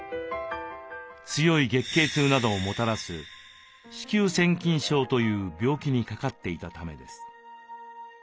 強い月経痛などをもたらす子宮腺筋症という病気にかかっていたためです。